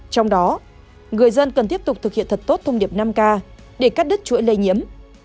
trong đó người dân cần tiếp tục thực hiện thật tốt thông điệp năm k để cắt đứt chuỗi lây nhiễm